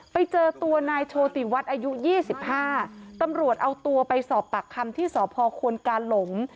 ไปเจอตัวนายโชติวัฒน์อายุ๒๕ตำรวจเอาตัวไปสอบปากคำที่สพควนกาหลง